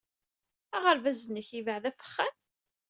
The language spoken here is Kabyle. Aɣerbaz-nnek yebɛed ɣef wexxam?